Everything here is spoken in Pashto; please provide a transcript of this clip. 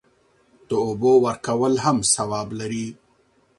د اوبو ورکول هم ثواب لري.